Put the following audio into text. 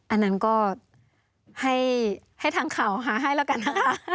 อันนั้นก็ให้ทางข่าวหาให้แล้วกันนะคะ